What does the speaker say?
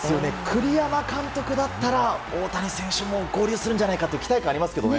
栗山監督だったら大谷選手も合流するんじゃないかという期待感がありますね。